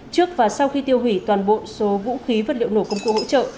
trước và sau khi tiêu hủy toàn bộ số vũ khí vật liệu nổ công cụ hỗ trợ